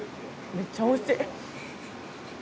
めちゃくちゃおいしい。